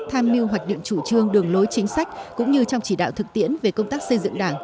tham mưu hoạch định chủ trương đường lối chính sách cũng như trong chỉ đạo thực tiễn về công tác xây dựng đảng